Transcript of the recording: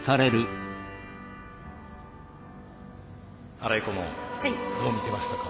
新井顧問どう見てましたか？